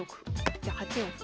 じゃあ８四歩。